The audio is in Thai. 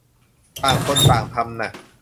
ต่างคนต่างทำน่ะ